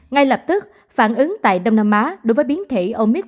ngay lập tức phản ứng tại đông nam á đối với biến thị